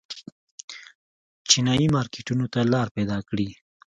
چینايي مارکېټونو ته لار پیدا کړي.